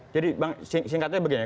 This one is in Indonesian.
jadi bang singkatnya begini